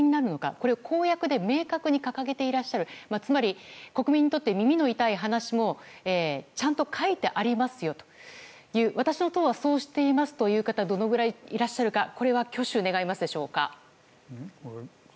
これを公約で明確に掲げていらっしゃるつまり、国民にとって耳の痛い話もちゃんと書いてありますよという私の党はそうしていますという方がどれぐらいいるかこれは挙手願いますでしょうか。